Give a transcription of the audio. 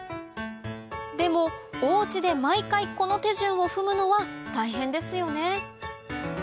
でもお家で毎回この手順を踏むのは大変ですよね